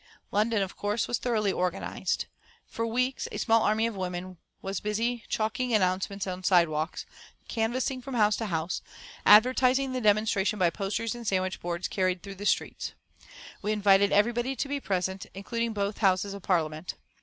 London, of course, was thoroughly organised. For weeks a small army of women was busy chalking announcements on sidewalks, distributing handbills, canvassing from house to house, advertising the demonstration by posters and sandwich boards carried through the streets. We invited everybody to be present, including both Houses of Parliament.